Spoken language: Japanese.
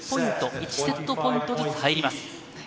１セットポイントずつ入ります。